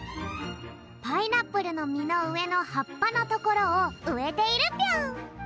パイナップルのみのうえのはっぱのところをうえているぴょん。